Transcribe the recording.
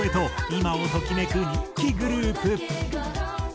今をときめく人気グループ。